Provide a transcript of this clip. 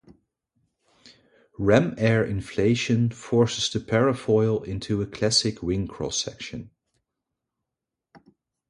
Ram-air inflation forces the parafoil into a classic wing cross-section.